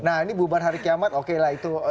nah ini bubar hari kiamat oke lah itu